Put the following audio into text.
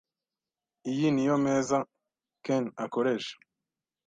Iyi niyo meza Ken akoresha .